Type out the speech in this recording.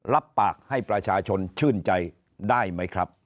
รับปากให้ประชาชนชื่นใจได้ไหมครับ